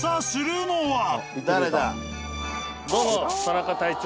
どうも田中隊長です。